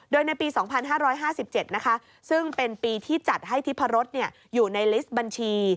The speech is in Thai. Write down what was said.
โดยในปี๒๕๕๗นะคะซึ่งเป็นปีที่จัดให้ทิพรสอยู่ในลิสต์บัญชี